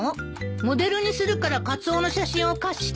モデルにするからカツオの写真を貸してほしいって。